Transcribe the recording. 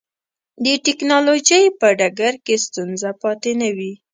د ټکنالوجۍ په ډګر کې ستونزه پاتې نه وي.